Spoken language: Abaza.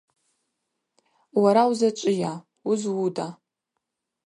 Уара узачӏвыйа, уызууда?